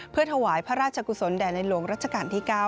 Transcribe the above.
เพื่อถวายพระราชกุศลแด่ในหลวงรัชกาลที่๙